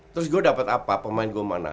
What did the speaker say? terus gue dapat apa pemain gue mana